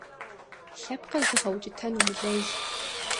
Лъэпкъыр зыгъэукӀытэн умылэжь.